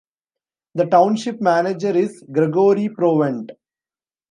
The Township Manager is Gregory Prowant.